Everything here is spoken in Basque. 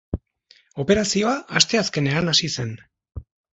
Operazioa asteazkenean hasi zen.